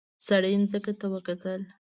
سړي ځمکې ته وکتل.